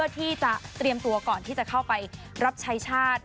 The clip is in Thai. ที่จะเตรียมตัวก่อนที่จะเข้าไปรับใช้ชาติ